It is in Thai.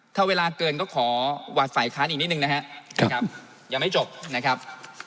ถ้าเวลาเกินก็ขอหวาดฝ่ายค้านอีกนิดนึงนะครับยังไม่จบนะครับ